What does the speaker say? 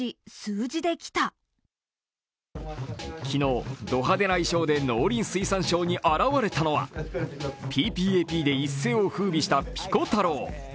昨日、ド派手な衣装で農林水産省に現れたのは「ＰＰＡＰ」で一世をふうびしたピコ太郎。